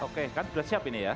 oke kan sudah siap ini ya